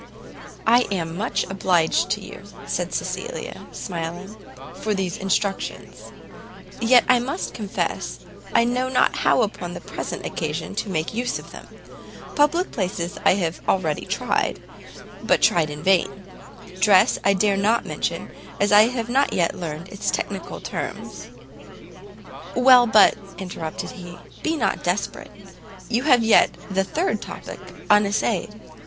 "I am much obliged to you," said Cecilia, smiling, "for these instructions; yet I must confess I know not how upon the present occasion to make use of them: public places I have already tried, but tried in vain; dress I dare not mention, as I have not yet learned its technical terms " "Well, but," interrupted he, "be not desperate; you have yet the third topic unessayed."